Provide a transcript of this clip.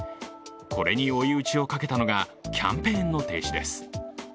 これに追い打ちをかけたのがキャンペーンの停止です。